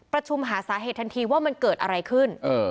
ประชุมหาสาเหตุทันทีว่ามันเกิดอะไรขึ้น